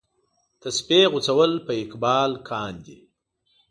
تسپې غوڅول په اقبال کاندي.